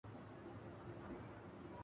ہم اس کے مخالف نہیں ہیں۔